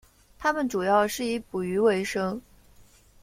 他们主要是以捕鱼维生。